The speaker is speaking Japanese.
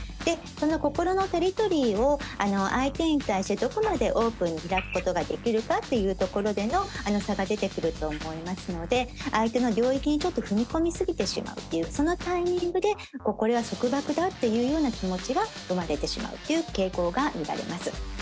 心のテリトリーを相手に対してどこまでオープンに開くことができるかっていうところでの差が出てくると思いますので相手の領域にちょっと踏み込み過ぎてしまうっていうそのタイミングでこれは束縛だっていうような気持ちが生まれてしまうという傾向が見られます。